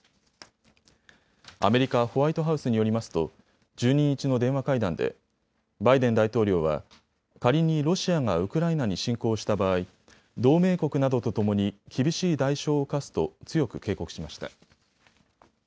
アメリカ、ホワイトハウスによりますと１２日の電話会談でバイデン大統領は仮にロシアがウクライナに侵攻した場合、同盟国などとともに厳しい代償を科すと強く警告しました。